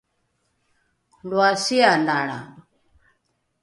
loa sialalra!